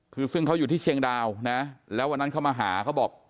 คือซึ่งเขาอยู่ที่เชียงดาวนะแล้ววันนั้นเขามาหาเขาบอก